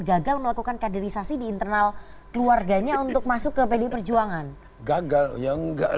gagal melakukan kaderisasi di internal keluarganya untuk masuk ke pdi perjuangan gagal yang enggak